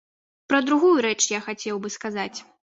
І пра другую рэч я хацеў бы сказаць.